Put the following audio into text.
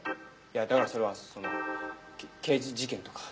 いやだからそれはその刑事事件とか。